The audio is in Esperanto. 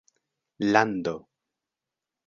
lando